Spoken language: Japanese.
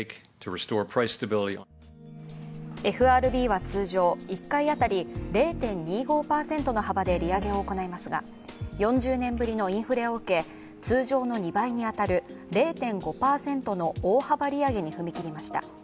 ＦＲＢは通常、１回当たり０．２５％の幅で利上げを行いますが４０年ぶりのインフレを受け、通常の２倍に当たる０．５％の大幅利上げに踏み切りました。